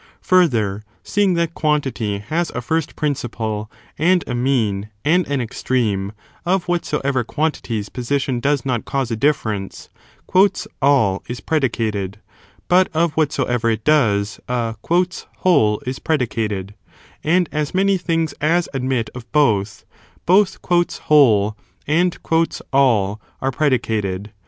Further, seeing that quantity has a first principle, and a mean, and an extreme, of whatsoever quantities position does not cause a difference " all" is predicated; but of whatsoever it does, a " whole " is predicated ; and as many things as admit of both, both "whole" and " all" are predicated.